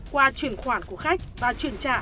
qua chuyển khoản của khách và chuyển trả